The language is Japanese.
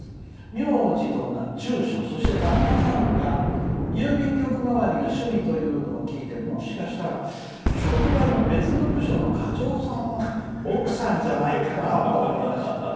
名字と住所旦那さんが郵便局回りが趣味というのを聞いてもしかしたら、職場の別の部署の課長さんの奥さんじゃないかなと思いました。